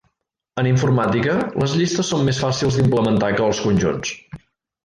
En informàtica les llistes són més fàcils d'implementar que els conjunts.